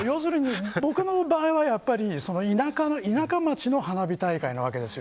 僕の場合は田舎町の花火大会なわけですよ